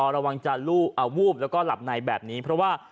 ระวังจะลูกเอาวูบแล้วก็หลับในแบบนี้เพราะว่า